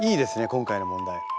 今回の問題。